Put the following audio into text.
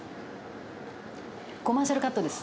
コマーシャルカットです。